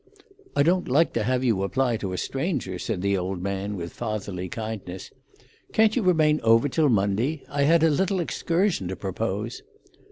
"I don't like to have you apply to a stranger," said the old man, with fatherly kindness. "Can't you remain over till Monday? I had a little excursion to propose."